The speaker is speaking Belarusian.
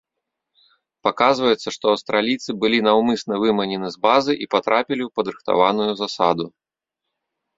Паказваецца, што аўстралійцы былі наўмысна выманены з базы і патрапілі ў падрыхтаваную засаду.